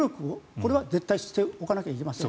これは絶対にしておかなければいけません。